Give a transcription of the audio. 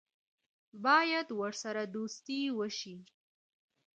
باید ورسره دوستي وشي.